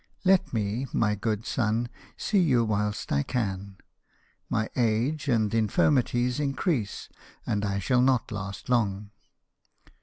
Let me, my good son, see you whilst I can. My age and infirmities increase, and I shall not last long."